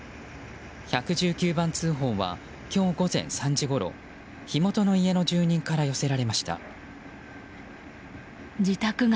１１９番通報は今日午前３時ごろ火元の家の住人から寄せられました。